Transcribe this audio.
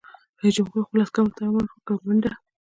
رئیس جمهور خپلو عسکرو ته امر وکړ؛ منډه!